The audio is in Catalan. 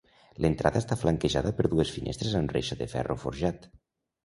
L’entrada està flanquejada per dues finestres amb reixa de ferro forjat.